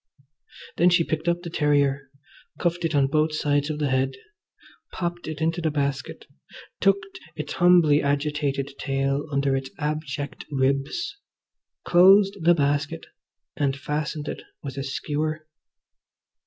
Then she picked up the terrier, cuffed it on both sides of the head, popped it into the basket, tucked its humbly agitated tail under its abject ribs, closed the basket, and fastened it with a skewer.